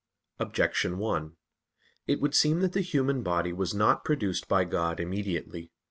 Objection 1: It would seem that the human body was not produced by God immediately.